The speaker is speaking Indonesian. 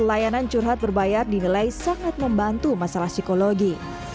layanan curhat berbayar dinilai sangat membantu masalah psikologi